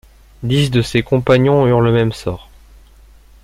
Dix de ses compagnons eurent le même sort.